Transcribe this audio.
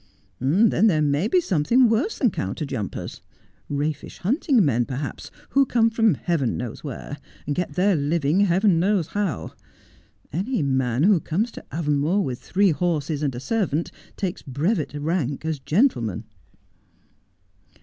' Then there may be something worse than counter jumpers — raffish hunting men, perhaps, who come from Heaven knows where, and get their living Heaven knows how. Any man who A Fountain of Bitter Waters. 129 comes to Avonmore with three horses and a servant takes brevet rank as gentleman.'